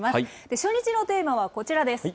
初日のテーマはこちらです。